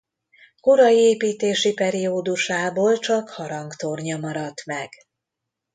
Korai építési periódusából csak harangtornya maradt meg.